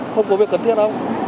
không có việc cần thiết không